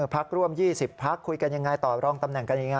พักร่วม๒๐พักคุยกันยังไงต่อรองตำแหน่งกันยังไง